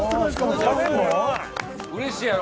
うれしいやろ？